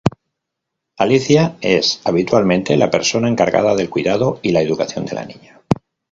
Alicia es, habitualmente, la persona encargada del cuidado y la educación de la niña.